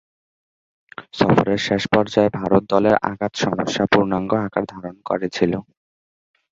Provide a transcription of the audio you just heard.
সফরের শেষ পর্যায়ে ভারত দলের আঘাত সমস্যা পূর্ণাঙ্গ আকার ধারণ করেছিল।